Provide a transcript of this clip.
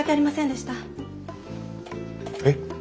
えっ？